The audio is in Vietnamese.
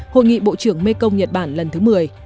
hội nghị bộ trưởng mekong nhật bản lần thứ một mươi